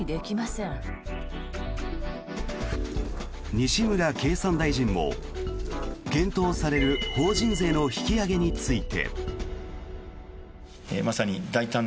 西村経産大臣も、検討される法人税の引き上げについて。